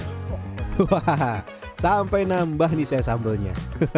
hahaha sampai nambah nih saya sambelnya